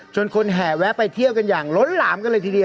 จนคนแหวะไปเที่ยวกันอย่างล้นหลาม